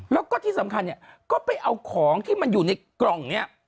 แล้วก็ที่สำคัญเนี่ยก็ไปเอาของที่มันอยู่ในกล่องนี้